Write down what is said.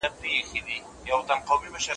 سردرد د ژوند پر فعالیت اغېز کوي.